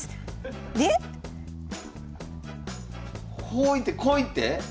こう行ってこう行って？